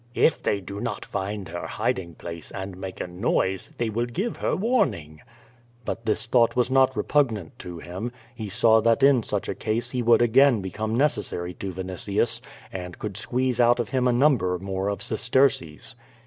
"If they do not find her hiding place, and make a noise, they will give her warning." But this thought was not repugnant to him. He saw that in such a case he would again become necessary to Vinitius, and could squeeze out of him a number more of sesterces.